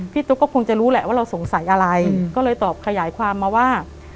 ตุ๊กก็คงจะรู้แหละว่าเราสงสัยอะไรก็เลยตอบขยายความมาว่า